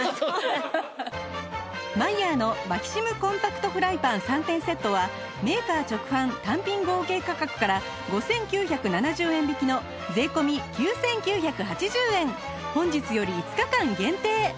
マイヤーのマキシムコンパクトフライパン３点セットはメーカー直販単品合計価格から５９７０円引きの税込９９８０円本日より５日間限定！